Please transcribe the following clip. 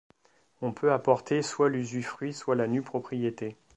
On peut apporter soit l'usufruit soit la nue-propriété.